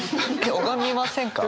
拝みませんか？